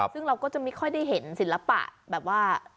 ซึ่งเราก็จะไม่ค่อยได้เห็นศิลปะแบบว่า